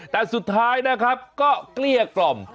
แต่สุดท้ายนะครับก็เกลี้ยกล่อม